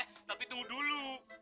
eh tapi tunggu dulu